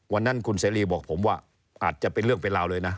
วันนั้นคุณเสรีบอกผมว่าอาจจะเป็นเรื่องเป็นราวเลยนะ